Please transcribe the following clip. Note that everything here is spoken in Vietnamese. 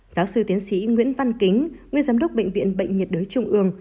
giáo sư tiến sĩ nguyễn văn kính nguyên giám đốc bệnh viện bệnh nhiệt đới trung ương